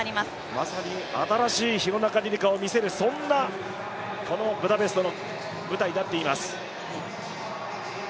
まさに新しい廣中璃梨佳を見せる、そんなこのブダペストの舞台に立っています。